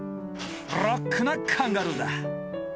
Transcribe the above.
ロックなカンガルーだ。